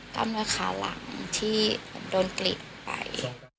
ต้านเนื้อขาหลังที่เหมือนโดนกลิ่นไป